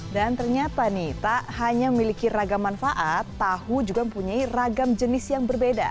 dan ternyata nih tak hanya memiliki ragam manfaat tahu juga mempunyai ragam jenis yang berbeda